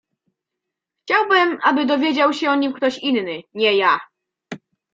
"Chciałbym aby dowiedział się o nim ktoś inny, nie ja."